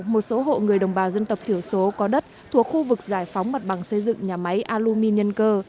một số hộ người đồng bà dân tập thiểu số có đất thuộc khu vực giải phóng mặt bằng xây dựng nhà máy aluminium cơ